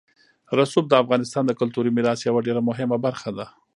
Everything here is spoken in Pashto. رسوب د افغانستان د کلتوري میراث یوه ډېره مهمه برخه ده.